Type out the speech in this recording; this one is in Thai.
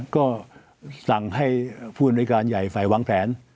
ก็สั่งให้ผู้อำนวยการใหญ่ฝ่ายวางแผน